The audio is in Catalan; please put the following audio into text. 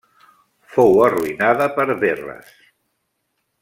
Fou arruïnada per Verres.